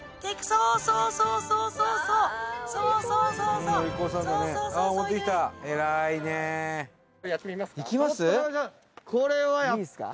そうそうそうそうそうそうそうそうやってみますか？